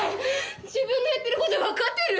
自分のやってること分かってる？